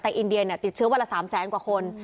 แต่อินเดียติดเชื้อวันละ๓แสนกว่าคน